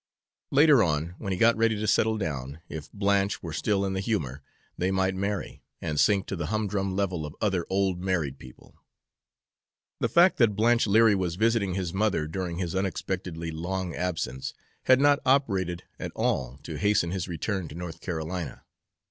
Later on, when he got ready to settle down, if Blanche were still in the humor, they might marry, and sink to the humdrum level of other old married people. The fact that Blanche Leary was visiting his mother during his unexpectedly long absence had not operated at all to hasten his return to North Carolina.